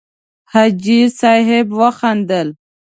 حاجي صیب وخندل.